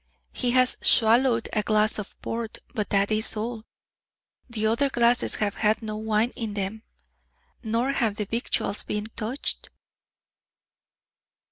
He has swallowed a glass of port, but that is all. The other glasses have had no wine in them, nor have the victuals been touched."